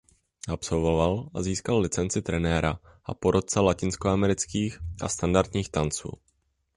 Absolvoval a získal licenci trenéra a porotce latinskoamerických a standardních tanců.